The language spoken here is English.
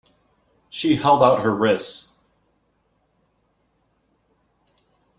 She held out her wrists.